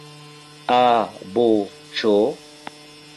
A… B… Ĉ?